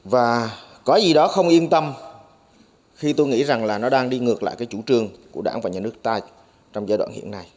và có gì đó không yên tâm khi tôi nghĩ rằng là nó đang đi ngược lại cái chủ trương của đảng và nhà nước ta trong giai đoạn hiện nay